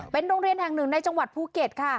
เป็นโรงเรียนแห่งหนึ่งในจังหวัดภูเก็ตค่ะ